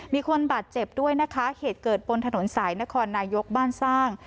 มีคนบาดเจ็บด้วยนะคะเหตุเกิดบนถนนสายนครนายกบ้านสร้าง